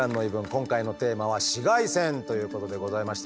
今回のテーマは「紫外線」ということでございまして。